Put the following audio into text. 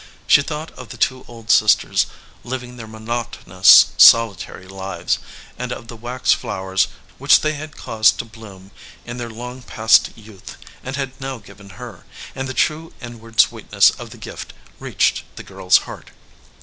She thought of the two old sisters living their monotonous solitary lives, and of the wax flowers which they had caused to bloom in their long past youth and had now given her, and Uie true inward sweetness of the gift reached the girl s heart.